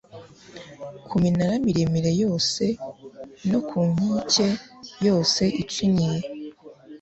ku minara miremire yose no ku nkike yose icinyiye,